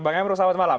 bang emru selamat malam